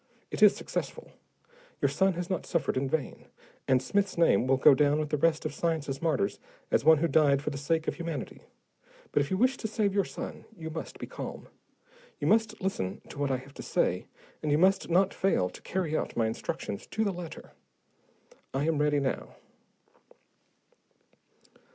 It is successful. Your son has not suffered in vain, and Smith's name will go down with the rest of science's martyrs as one who died for the sake of humanity. But if you wish to save your son, you must be calm. You must listen to what I have to say, and you must not fail to carry out my instructions to the letter. I am ready now."